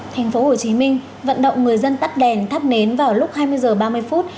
tp hcm vận động người dân tắt đèn thắp nến vào lúc hai mươi h ba mươi phút